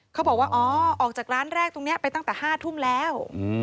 เขาบอกว่าอ๋อออกจากร้านแรกตรงนี้ไปตั้งแต่๕ทุ่มแล้ว